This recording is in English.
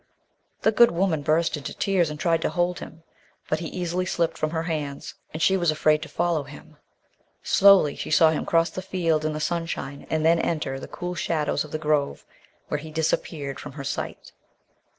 The good woman burst into tears and tried to hold him, but he easily slipped from her hands, and she was afraid to follow him. Slowly she saw him cross the field in the sunshine, and then enter the cool shadows of the grove, where he disappeared from her sight.